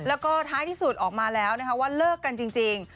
แล้วก็ท้ายที่สุดออกมาแล้วนะคะว่าเลิกกันจริง